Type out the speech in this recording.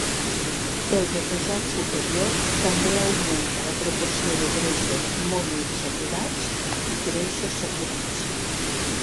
El vetejat superior també augmenta la proporció de greixos monoinsaturats i greixos saturats.